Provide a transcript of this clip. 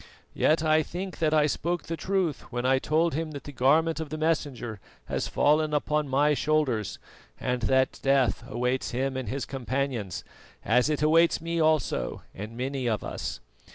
Yet I think that I spoke truth when I told him that the garment of the Messenger has fallen upon my shoulders, and that death awaits him and his companions, as it awaits me also and many of us.